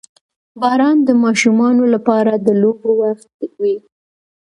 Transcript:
• باران د ماشومانو لپاره د لوبو وخت وي.